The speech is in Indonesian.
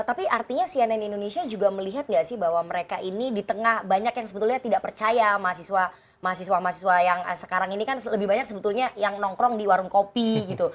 tapi artinya cnn indonesia juga melihat nggak sih bahwa mereka ini di tengah banyak yang sebetulnya tidak percaya mahasiswa mahasiswa yang sekarang ini kan lebih banyak sebetulnya yang nongkrong di warung kopi gitu